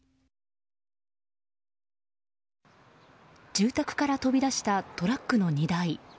住宅から飛び出したトラックの荷台。